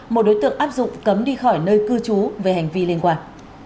một đối tượng áp dụng cấm đi khỏi nơi cư trú về hành vi liên quan